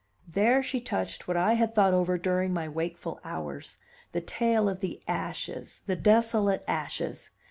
There she touched what I had thought over during my wakeful hours: the tale of the ashes, the desolate ashes!